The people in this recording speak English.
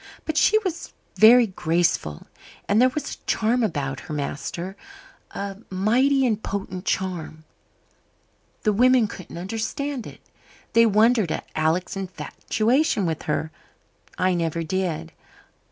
But she was very graceful, and there was a charm about her, master a mighty and potent charm. The women couldn't understand it. They wondered at Alec's infatuation for her. I never did.